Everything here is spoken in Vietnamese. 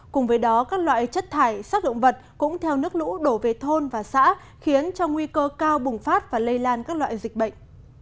cùng với đó các loại chất thải sắc động vật cũng theo nước lũ đổ về thôn và xã khiến cho nguy cơ cao bùng phát và lây lan các loại dịch bệnh